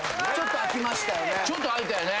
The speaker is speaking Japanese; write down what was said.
ちょっと空いたよね。